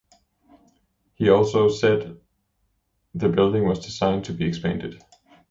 He also said the building was designed to be expanded.